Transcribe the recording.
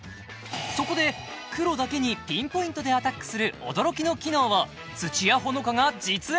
そこで黒だけにピンポイントでアタックする驚きの機能を土屋炎伽が実演！